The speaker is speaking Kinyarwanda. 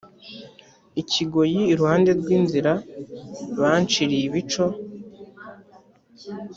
ikigoyi iruhande rw inzira banciriye ibico